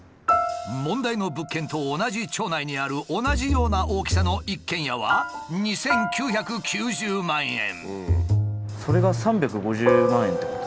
問題の物件と同じ町内にある同じような大きさの一軒家は２，９９０万円。